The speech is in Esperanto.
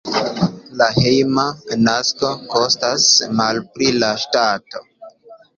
La hejma nasko kostas malpli por la ŝtato.